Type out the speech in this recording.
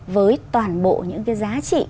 với toàn bộ những cái giá trị